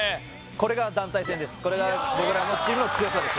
これが団体戦です